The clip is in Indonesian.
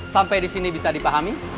sampai di sini bisa dipahami